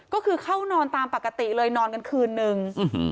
ก็คือเข้านอนตามปกติเลยนอนกันคืนนึง